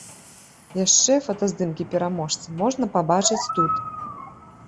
Яшчэ фотаздымкі пераможцы можна пабачыць тут.